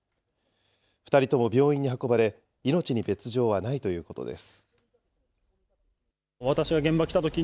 ２人とも病院に運ばれ、命に別状はないということです。